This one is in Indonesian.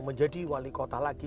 menjadi wali kota lagi